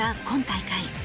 今大会